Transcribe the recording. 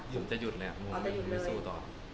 หยุดจะหยุดเลยอะไม่สู้ต่อ